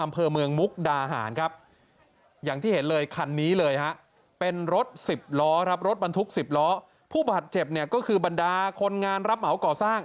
ผู้บาดเจ็บก็คือบรรดาคนงานรับเหมาก่อสร้าง